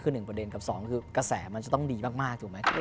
คือหนึ่งประเด็นกับสองคือกระแสมันจะต้องดีมากถูกไหม